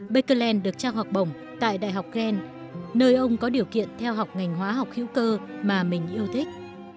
bạc kỳ lên được trở thành giáo sư hóa tại trường đại học gans tại đại học gans nơi ông có điều kiện theo học ngành hóa học hữu cơ mà mình yêu thích